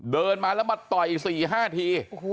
เดินมาแล้วมาต่อย๔๕ที